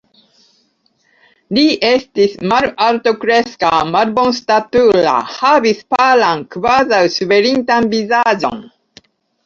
Li estis malaltkreska, malbonstatura, havis palan, kvazaŭ ŝvelintan, vizaĝon.